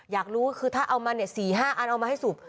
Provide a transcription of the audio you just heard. อยากรู้คือถ้าเอามา๔๕อันเอามาให้สูบ